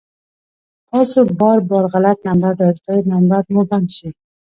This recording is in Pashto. تاسو بار بار غلط نمبر ډائل کوئ ، نمبر به مو بند شي